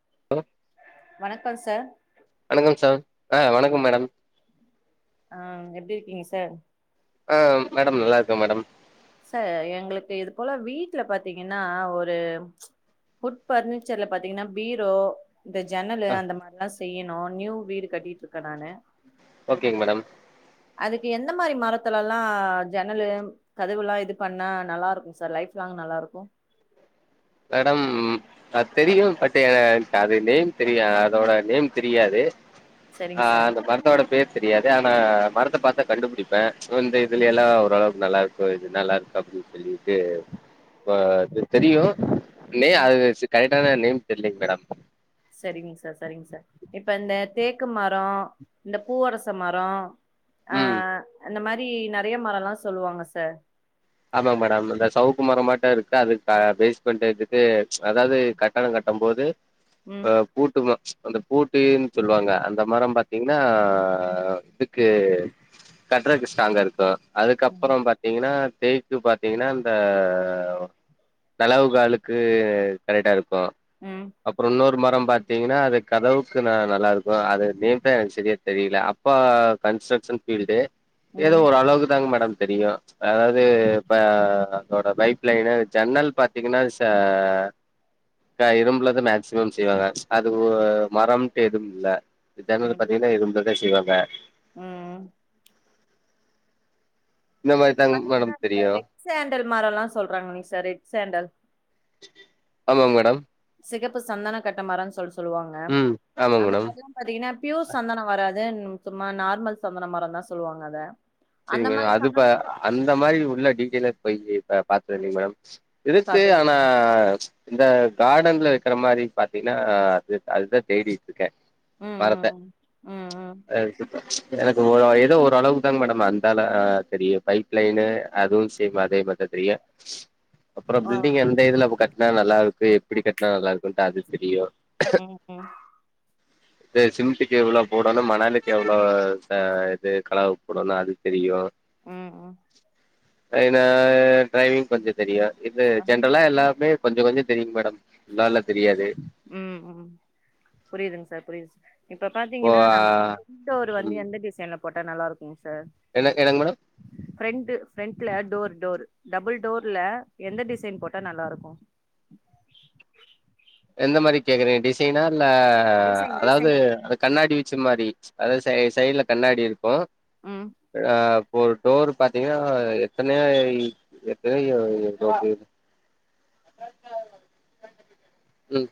[unintelligible] வணக்கம் சார் வணக்கம் சார் ஆ வணக்கம் மேடம் ஆ எப்படி இருக்கீங்க சார் ஆ மேடம் நல்லா இருக்க மேடம் ச எங்களுக்கு இது போல வீட்ல பாத்தீங்கன்னா ஒரு குட் பர்னிச்சர்ல பாத்தீங்கன்னா பீரோ இந்த ஜன்னலு ஆ அந்த மாரில்லாம் செய்யணு நியூ வீடு கட்டிட்டு இருக்கேன் நானு ஓகேங்க மேடம் அதுக்கு எந்த மாரி மரத்துல எல்லாம் ஜன்னல கதவுெல்லா இது பண்ணா நல்லா இருக்கு சார் லைஃப் லாங் நல்லா இருக்கும் மேடம் அது தெரியும் பட் என என் அது நேம் தெரிய அதோட நேம் தெரியாது ஆ சரிங்க சார் அந்த மர்தவோட பேர் தெரியாது ந மரத்தை பாத்தா கண்டுபிடிப்பேன் வந்து ம் இததுலல்லாம் ஓரளவுக் நல்லா இருக்கும் இது நல்லா இருக்கும் அப்படின்னு சொல்லிட்டுது ஆ தெரியும் ஆ ம். [unintelligible] கரெக்டனா நேம் தெரிலங்க மேடம் சரிங்க சார் சரிங்க சார் இப்ப இந்த தேக்கு மரம் இந்த பூவரச மரம் ஆ ம் அந்த மாரி நறைய மரம்ல்லாம் சொல்லுவாங்க சார் ஆமா மேடம் இந்த சவுக்கு மர மாட்டு இருக்கு அது பேஸ் பண்ட்டு அதாவது கட்டடம் கட்டும் போது ம் ஆ பூட் அந்த பூட்டன்னு சொல்லுவாங்க அந்த மரம் பார்த்தீங்கன்னா இதுக்கு கட்ரதுக்கு ஸ்ட்ராங்கா இருக்கு ம் அதுக்கப்புறம் பாத்தீங்கன்னா தேக்கு பார்த்தீங்கன்னா இந்த செளவு காலுளுக்கு கரெக்டா இருக்கு ப்ப ம் அப்புறம் இன்னொரு மரம் பாத்தீங்கன்னா அது கதவுக்கு ந நல்லா இருக்கும் அது நேம் தான் எனக்கு சரியா தெரியல அப்பா கன்ஸ்ட்ரக்ஷன் பீல்டு ஏதோ ம் ஒரு ஓ அளவுக்கு தாங்க மேடம் தெரிய [unintelligible] அதோட பைப்லைன் ஜன்னல் பாத்தீங்கன்னா இரும்புலத மேக்சிமம் செய்வாங்க அது மரம்ட்டு எதுவும் இல்ல இந்த ஜன்னல் ல பாத்தீன்னா இரூம் செய்வங்க ம் ம் இந்த மாரிதாங் ப்ப மேடம் தெரியு ரெட் சேண்டல் மரம் எல்லாம் சொல்றாங்க நீ சார் ரெட் சேண்டல் ஆமாங்க மேடம் சிகப்பு சந்தன கட்டமரன்னு சொல் சொல்லுவாங்க ம் ஆமாங் அந்த மேடம் மாதிரலாம் பாத்தீங்கன்னா பியூர் சந்தனம் வராது அத சும்மா நார்மல் சந்தன மரம் தான் சொல்லுவாங்க அத அந்த சரிங்கம் மாரி அதுப்ப சந்தனம் அந்த மாரி உள்ள டீட்டல போய் பாத்ததில்லைங்க மேடம் இருக்கு பாத்தது ஆனா இந்த கார்டன்ல வைக்கிற மாதிரி பாத்தீங்கன்னா அது அதுதான் தேடி இருக்கே ம் மரத்தை ம் ம் ம் அ எனக்கு ஒரு ஏதோ ஓரளவுக்கு தா மேடம் அந்தால தெரியும் பைப் லைனு அதுவும் சேம் அதே மாதிரிதான் தெரியும் அப்புற ஆ பில்டிங் எந்த இதுல கட் கட்டனா நல்லா இருக்கு எப்பிடி கட்டனா நல்லா இருக்குன்ட்டு அது தெரியு ம் ம் இது சிமன்டுக்கு எவ்வளவு போடணும் மணலுக்கு எவ்வளவு ந்த இது கலவ போடணும் அது தெரியும் ம் ஆனா டிரைவிங் கொஞ்சம் தெரியும் இது அ ஜென்ரலா எல்லாமே கொஞ்சம் கொஞ்சம் தெரியு மேடம் நல்லால்லாம் தெரியாது ம் ம் புரியுதுங்க சார் புரியுது சார் இப்ப இப்போ பாத்தீங்கன்னா நம்மோர் ம் வந்து எந்த டிசைன்ல போட்டா நல்லா இருக்குங்சார் என்ன என்னங் மேடம் ஃப்ரெண்ட்டு ஃப்ரெண்ட்ல டோர் டோர் டபுள் டோர்ல எந்த டிசைன் போட்டா நல்லா இருக்கு எந்த மாரி கேக்குறிங்க டிசைனா இல்ல டிசைன் அதாவ்து டிசைன் அந்த கண்ணாடி சிம் மாரி அதாது சைட்ல கண்ணாடி இருக்கு ம் அ ஒரு டோர் பாத்தீங்கனா எத்தனயாய் எத்தனையோ டோர் இருக் ம்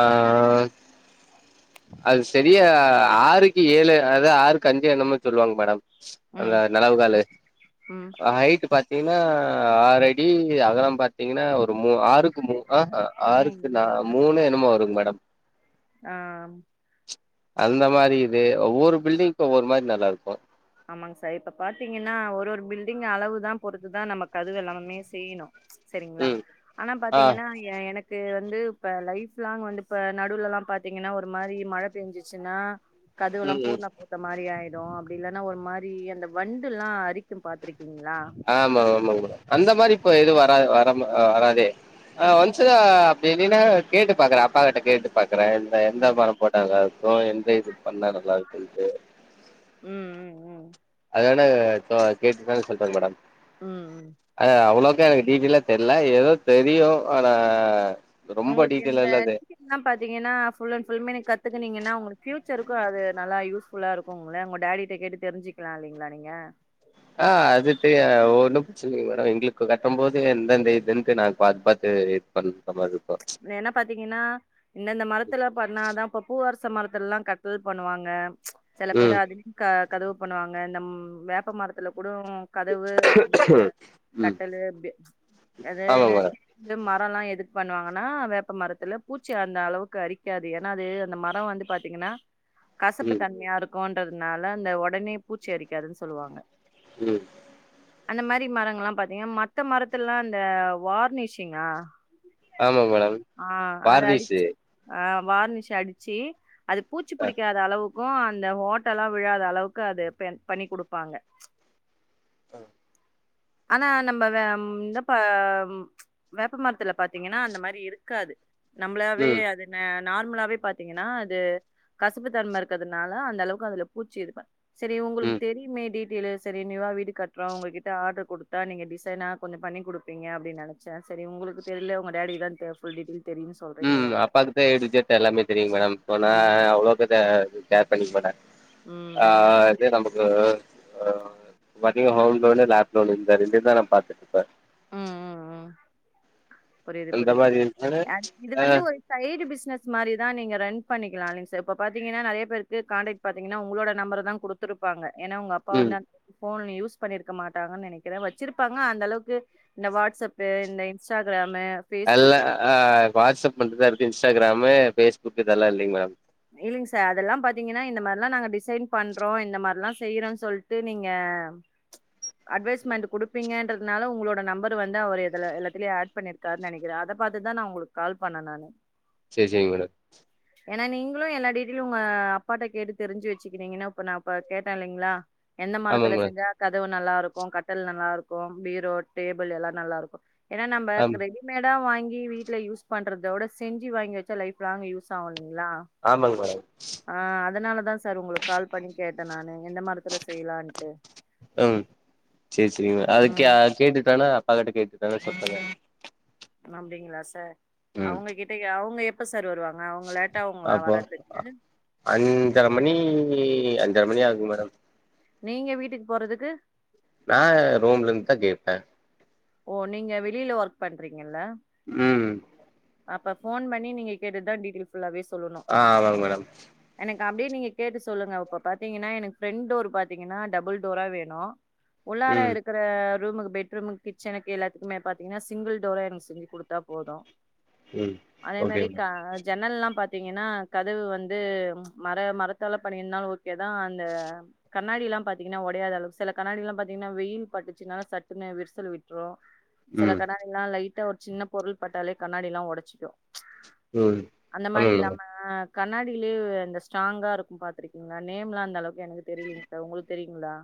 ஆ அது செரியா ஆறுக்கு ஏழு அதாது ஆறுக்கு அஞ்சு என்னமோ சொல்லுவாங்க மேடம் அந்த ம் நெலவு காலு ம் ஹைட் பா தீங்னா ஆரடி அகலம் பார்த்தீங்னா ஒரு மூ ஆறுக்கு மூ அ ஹ ம் ஆறுக்கு ம் நா மூணே ன்னுமோ வருங் மேடம் அ அந்த மாரி இது ஒவ்வொரு பில்டிங்க்கு ஒவ்வொரு மாரி நல்லாருக்கு ஆமாங் சார் இப்ப பாத்தீங்கனா ஒரு ஒரு பில்டிங் அளவுதா பொறுத்துதா நம்ம கதுவு எல்லாமமே செய்ணு செரிங்களா ம் ஆனா ஆ பாத்தீங்னா எனக்கு ந்து இப்ப லைஃப்லாங் வந்து இப்ப நடுலல்லா பாத்தீங்கன்னா ஒரு மாரி மழை பேஞ்சுச்சுனா கதுவுல்லா ம் ம் பூர்ண பூத்த மாரி ஆயிட் யோ அப்டில்லா ஒரு மாரி அந்த வண்டுல்லா அரிக்கு பாத்ருக் ஆமா ஆமாங்க அந்த மாதிரி இப்ப எது வரா வர ம் அ வராதே ஆ [unintelligible] நீனா கேட்டு பாக்குறே அப்பா கிட்ட கேட்டு பா கிர எந்த ம் பாரோ போட்டாங்க இப்போ எந்த இது பண்ண நல்லா இருக்குத்துட்டு உம் உம் உம் அதான கேட்டு னா சொல்றேங்க மேடம் உம் உம் அ அவ்ளோக்கா எனக்கு டீட்டெயலா தெரியல ஏதோ தெரியு ஆனா ரொம்ப உங்களுக்கு டீட்டெய்லா இந்த இல்ல அது டீடெயில்ல பாத்தீங்கன்னா ஃபுல் அண்ட் ஃபுல்லுமே கத் து கிணேகான உங்களுக் பியூச்சருக்கு அது நல்லா யூஸ் ஃபுல்லா இருக்கும்ங்கள உங்க டாடிட்ட கேட்டு தெரிஞ்சுக்கலா இல்லைங்களா நீங்க ஆ அதுக்கு ஒன்னு பிரச்சனை இல்ல மேடம் எங்களுக்கு கட்ட போது எந்தெந்த இதுன்னட்டு நா பாத்து பாத்து இது பண்ற மாரி என்ன பாத்தீங்கன்னா இந்த இந்த மரத்துல பன்னாதா இப்ப பூவ செம் மரத்துலல்லா கட்டல் பண்ணுவாங்க சில பேரு ம் அதுல க்க கதவு பண்ணுவாங்க இந்த வேப்ப மரத்துலக் கூட கதவு ம் கட்டல் ஆமா அதுன்னு மேடம் ம ல்லா எதுக்கு பண்ணுவாங்க னா வேப்ப மரத்துல பூச்சி அந்த அளவுக்கு அரிக்காது ஏனா அது அந்த மரம் வந்து பாத்தீங்கன்னா கசப்பு ம் தன்மையா இருக் கும்றதுனால அந்த உடனே பூச்சி அரிக்காதுன்னு சொல்லுவாங்க உம் அந்த மாதிரி மரங்கள் எல்லா பாத்தீங்கான மத்த மரத்துலா இந்த வார்னிஷிங்கா ஆமாங் ஆ அத அடிச்சு ஆ வார்னிசு அடிச்சு அது பூச்சி அ பிடிக்காத அளவு அந்த ஓட்டலா விழாத அளவுக்கு அது பண்ணி கொடுப்பாங்க ஆனா நம்ம வே இந்த வேப்பமரத்துல பாத்தீங்கன்னா அந்த மாரி இருக்காது நம்மளாவே ம் அதன நார்மலாவே பாத்தீங்கன்னா அது கசப்பு தன்மை இருக்கறதுனால அந்த அளவுக்கு அதுல பூச்சி இது பண் சரி உங்களுக்கு ம் தெரி கேளு சரி நீ வா வீடு கட்டுறோ உங்ககிட்ட ஆர்டர் கொடுத்தா நீங்க டிசைனா கொஞ்ச பண்ணி கொடுப்பீங்க அப்படினு நினைச்சே சரி உங்களுக்கு தெரியல உங்க டாடிக்கு தா ஃபுல் டிடெயிலஸ் ம் அப்பாக்குதே எ டூ ஜெட் எல்லாமே தெரியுங் மேடம் ஒர் நா ம் அவ்ளோ பேத்த கேர் பண்ணிர்க்மாட்டாக ம் ஆ ம் அதே நம் ஆ ஆ [unintelligible] ஹோம் லோனு லேப் லோனு இந்த ரெண்டுதா நா பாத்தே இப்ப புரிது புரிது இருந்துச்சுனா ஆ இது ஆ வந்து ஒரு சைட்டு பிஸ் னஸ் மாரிதா நீங்க ரன் பண்ணிக்கலாலீங் சார் இப்ப பாத்தீங்கனா நெறைய பேருக்கு காண்டாக்ட் பாத்தீங்கனா உங்களோட நம்பரதா குடுத்திருப்பாங்க ஏனா உங்க அப்பா ம் வந்தா ஃபோன்ல யூஸ் பண்ணிருக்க மாட்டாங்கன் நெனைக்கிறே வச்சிருப்பாங்க அந்த அளவுக்கு இந்த வாட்ஸ்அப்பு இந்த இன்ஸ்டா எல்லா அ ஆ வாட்ஸ்அப் மட்டுதான் இருக்கு இன்ஸ்டாகிராம் மே ஃபேஸ்புக் இதெல்லா இல்லிங் மேடம் இல்லிங் சார் அதெல்லா பாத்தீங்கனா இந்த மார்லா நாங்க டிசைன் பண்றோ இந்த மார்லா செய்றோன் சொல்ட்டு நீங்க ச்ச அட்வைஸ்மெண்ட் குடுப்பீங்கன்றதுனால உங்குளோட நம்பர் வந்து அவர் எதுல எல்லாத்திலயு ஆட் பண்ணிர்க்கார்னு நெனைக்கிறே அத பாத்துதா நா உங்குளுக்கு கால் பண்ண நானு செரி செரிங்க மேடம் ஏனா நீங் ஃபுல்லு எல்லா டீடெயிலு உங்க அப்பாட்ட கேட்டு தெரிஞ்சு வெச்சுக்கினீங்கனா ப நா இப்ப கேட்டே இல்லிங்ளா என்ன மரத்துல ஆமாங்க மேடம் செஞ்சா கதவு நல்லா இருக்கோ கட்டல் நல்லா இருக்கோ பீரோ டேபிள் எல்லா நல்லா இருக்கோ ஏனா ஆம் நம்பக்கு ரெடிமேடா வாங்கி லி வீட்ல யூஸ் பண்றதோட செஞ்சி வாங்கி வெச்சா லைஃப் லாங்க் யூஸ் ஆவு இல்லிங்ளா ஆமாங்க மேடம் சார் உங்குளுக்கு கால் பண்ணி கேட்டே நானு எந்த மரத்துல செய்லான்ட்டு ம் சேரி சேரிங்க ம் வேணா சொல்ட்டங்க ச்ச னா அப்டிங்ளா சார் அவுங்க கிட்டய அவுங்க எப் அப்பா ஆ அஞ்சர மணி ணி அஞ்சர மணி ஆகுக மேடம் நீங்க வீட்டுக்கு போறதுக்கு நா ரூம்லந்துதா கேப்பே ஓ நீங்க வெளில ஒர்க் பண்றீங்கல்ல ம் அப்ப ஃபோன் பண்ணி நீங்க கேட்டுட்தா டீடெய்ல் ஃபுல்லாவே ஆ ஆமாங்க மேடம் கா அப்டே நீங்க கேட்டு சொல்லுங்க இப்ப பாத்தீங்கனா எனக்கு ஃப்ரெண்ட் டோர் பாத்தீங்கனா டபுள் டோரா வேணோ உள்ளார ம் இருக்கற ரூமுக்கு பெட்ரூம்ங் கிச்சனக்கு எல்லாத்துக்மே பாத்தீங்கனா சிங்கிள் டோரா எனக்கு செஞ்சு குடுத்த போதோ ம் அதே ஓகே மாரி க மேடம் ஜன்னல்லா பா தீவிங்கனா கதவு வந்து ச்ச மர மரத்தால பண்ணியிந்தாலு ஓ எதா அந்த கண்ணாடிலா பாத்திங்கன்னா ஒடையாத அளவு சில கண்ணாடில்லா பாத்திங்கன்ன வெயில் பட்டுச்சுனா சட்டுன்னு விரிசல் விட்ரு செல ம் கண்ணாடிலா லைட்டா சின்ன பொருள் பட்டாலே கண்ணாடில்லா ஒடச்சிக்கு ம் அந்த மாரி ஆமாங்க இல்லாம மேடம் கண்ணாடியிலேயே அந்த ஸ்ட்ராங்கா இருக்கு பாத்ருக்கீங்ளா நேம்லா அந்த அளவுக்கு எனக்கு தெரியலீங்க சார் உங்ளுக்கு தெரியுங்ளா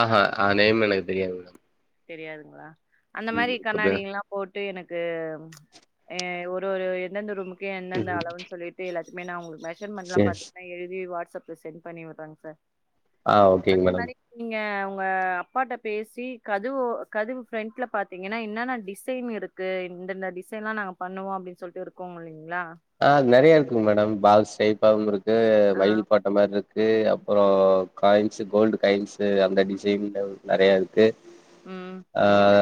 ஆ ஹ அ நேம் எனக்கு தெரியாது மேடம் தெரியாதுங்ளா அந்த ம் மாரி ஓகே மேடம் கண்ணாடிங்லா போட் டு எனக்கு ஒரு ஒரு எ எந்தந்த ரூமுக் எந்தந்த ம் அளவுன் சொல்லிட்டு எல்லாத் ன்மே நா அவுங்ளுக்கு மே ஷர்மென்ட்லா சேரி பாத்தீங்கனா எழுதி வாட்ஸ்அப் சென்ட் பண்ணி விடுறங் சார் ஆ ஓகேங்க அதே மேடம் மாரி நீங்க வ அப்பாட்ட பேசி கதுவோ கதுவு ஃப்ரெண்ட்ல பாத்தீங்கன்னா என்னன்னா டிசைன் இருக்கு இந்த இந்த டிசைன்லா நாங்க பண்ணுவோ அப்டின் சொல்ட்டு இருக்கும் இல்லைங் அ அத் நெறைய இருக்குங் மேடம் பாக்ஸ் ஸ்டை [unintelligible] கு ஆ மயில் போட்ட மார்ருக்கு இருக்கு அப்புறோ காயின்ஸ் கோல்டு காயின்ஸ் அந்த டிசைன்ல நெறைய இருக் கு ம்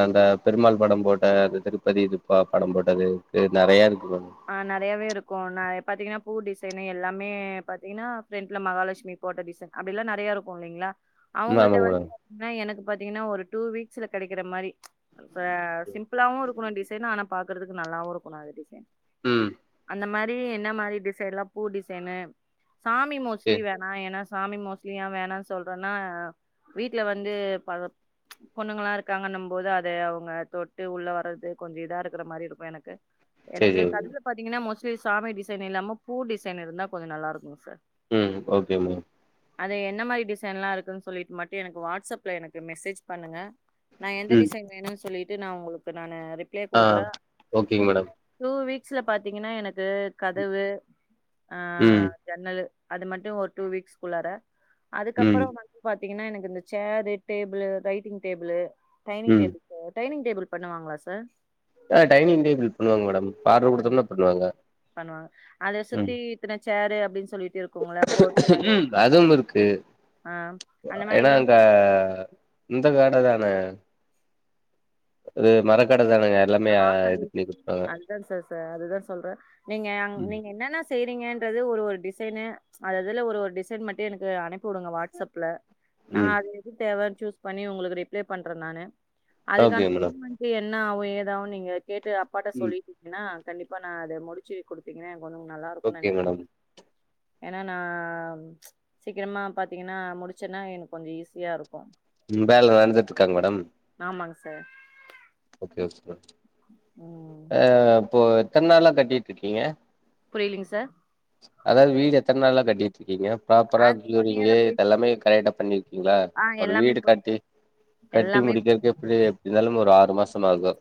அந்த பெருமாள் படம் போட்ட அது திருப்பதி இதுப்பா படம் போட்டது நெறைய இருக்கு மே அ நறையாவே இருக்கு பாத்தீங்கன்னா பூ டிசைன் எல்லாமே பாத்தீங்கன்னா ஃப்ரெண்ட்ல மகாலட்சுமி போட்ட டிசைன் அப்படில்லா நிறையா இருக்கு இல்லைங்ளா ம் அவுங்கள்ட்ட ஆமாங்க வந்து மேடம் பாத்திங்னா எனக் பாத்தீங்கன்னா ஒரு டூ வீக்ஸ்ல கெடைக்கிற மாரி ப சிம்ப்புளாவு இருக்ணு டிஸ் தினா ஆனா பாக்குறதுக்கு நல்லாவு இருக்குனு டிசைன் ம் அந்த மரி என்ன மாரி டிசைன்ல்லா பூ டிசைனு சாமி மொஸ்ட்லி சேரி வேணா ஏனா சாமி மோஸ்ட்லியா வேணான் சொல்றேனா வீட்டுல வந்து பல பொண்ணுங்களா இருக்காங்கன்னு போது அத அவ்ங்க தொட்டு உள்ள வர்றது கொஞ்ச இதா இருக்குற மாரி இருக்கு எனக்கு சேரி எனக்கு சேரி கதுல பாத்தீங்கனா மோஸ் சாமி டிசைன் இல்லாம பூ டிசைன் இருந்தா கொஞ்சம் நல்லா இருக்கும் சார் ம் ஓகேம்மு அது என்ன மாரி டிசைன்ல்லா இருக்குன்னு சொல்லிட்டு மட்டு எனக்கு வாட்ஸ்அப்ல எனக்கு மெசேஜ் பண்ணுங்க நா எந்த ம் டிசைன் வேணும்னு சொல்லிட் து நா உங்ளுக்கு நானு ரிப் ஆஹ் ஓகேங்மேடம் ஸ்ல பாத்தீங்கன்னா எனக்கு கதவு ம் ஆஹ் ஜன்னலு அது மட்டு ஓட் டூவீக்ஸ் குள்ளார ம் அதுக்கப்றோ வந்து பாத் தீங்கன்னா எனக்கு இந்த சேரு டேபிளு ரைட்டிங் டேபிளு ம் டைனிங்டேபில்சு டைனிங் டேபிள் பண்ணுவாங்களா சார் ஆ டைனிங்டேபிள் பண்ணுவாங்க மேடம் ஆர்டர் பன்னி குடுத்தோம்னா பண்ணுவாங்க பண்ணுவாங்க அத சுத்தி இத்தன சேரு அப்டின்னு சொல்லிட்டு இருக்கும்ல ஃபோர் சேரு உம் அதுவும் இருக்கு ஆ அந்த ஏன்னா மாரில்லா அங்க பா இந்த காட தானே இது மரக்கட் ஹ் ஆசரி [inaudible] அதுதா சாச சார் அதுதா சொல்றே நீங்க அங் ம் நீங்க என்னன்ன செய்றீங்க து ஒரு ஒரு டிசைனு அததுல ஒரு ஒரு டிசைன் மட்டு எனக்கு அனுப்பி வுடுங்க வாட்ஸ்அப்ல நா ம் அது எது தேவ சூஸ் பண்ணி உங்களுக்கு ரிப்ளை பண்றே நானு அதுக்கான ஓகே மேடம் பெமென்ட் என்ன நாஓயித் தவ்ன்நீங்க கேட்டு அப்பாட்ட ம் சொல்லிட்டீங்ன்னா கண்டிப்பா நா அத முடிச்சு குடுத்திங்னே பொண்ணுங் நல்லா இருக்குனு ஓகே நெனைக் மேடம் ஏன்னா நா சீக்கிரமா பாத்தீங்கன்னா முடிச்சேன்னா எனக்கு கொஞ்சோ ஈஸியா இருக்கு ம்வேல நடந்துட்டுருக்காங் மேடம் அம்மாங்க சார் ஓகே ஓகே உம் ஆஹ் அப்போ எத்தந்நாளா கட்டிட்டு இருக்கீங்க புரியலீங்க சார் அதாது வீடு எத்தன் நாளா கட் ட்டிட்டு இக்கீங்க ப்ராப்பரா அது ஒன் இயரா கியூரிங்லெ போய் இதல்லாமே கரையட் தண்ணி ங்ள ஆ ஒரு எல்லாமே வீடு போய் கட்டி கட்டி எல்லாமே முடிக்கேறதுக்கு எப்பிடி இருந்தாலும் ஒரு ஆறு இப்ப மாசமாகு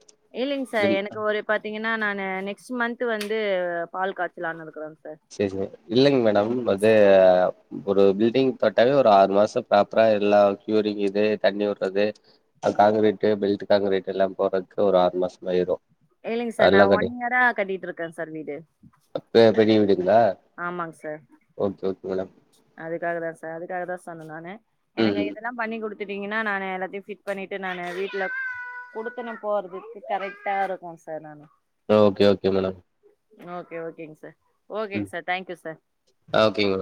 இல்லைங் சார் எனக்கு ஒரு பாத்தீங்கன்னா நானு நெக்ஸ்ட் மந்த் வந்து பால் காய்ச்சலான்னுருக்குறோ செரி செர் இல்லைங்க மேடம் அது ஒரு பில்டிங் தொட்டாவே ஒரு இப்ப ஆறு மாசம் ப்ராப்பரா எல்லா க்யூரிங் இது தண்ணி உடுறது அது காங்க்ரீட்டு பெல்ட் காங்க்ரீட்டெல்லா போறதுக்கு ஒரு ஆறு மாசமாயிரு இல்லைங்க சார் நா அதெல்லா கட்டி ஒன் இயரா கட்டிட்டு இருக்கேன் சார் வீடு பெ ஆமாங்க [unintelligible] ஓகே ஓகே மேடம் அதுக்காகதா சார் அதுக்காகதா சொன்ன நானு எனக்கு ம் இதெல்லா பண்ணி குடுத் குடுத்திட்டீங்கின்னா நானு எல்லாத்தியு ஃபிட் பண்ணிட்டு நானு வீட்ல குடுத்தனம் போறதுக்கு கரெக்ட்டாருக்கு சார் நானு ஓகே ஓகே மேடம் ஓகே ஓகேங் சார் ம் ஓகேங் சார் தேங்க்யூ சார் ஆ ஓகேங்க மேம்